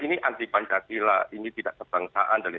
ini anti pancasila ini tidak kebangsaan